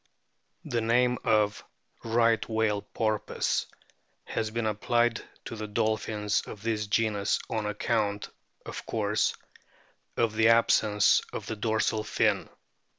The name of " Right Whale Porpoise " has been applied to the dolphins of this genus on account, of course, of the absence of the dorsal fin.